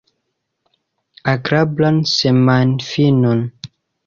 Agrablan semajnfinon!